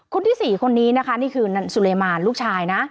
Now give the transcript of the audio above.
คนที่๔คนนี้คือนั้นซูเลมานลูกชาย